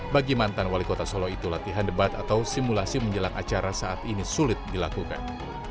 bagi mantan wali kota solo itu latihan debat atau simulasi menjelang acara saat ini sulit dilakukan